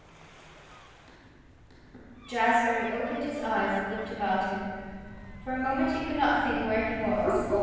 VII Jazbury opened his eyes and looked about him. For a moment he could not think where he was.